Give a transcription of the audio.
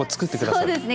そうですね。